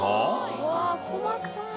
・うわ細かい！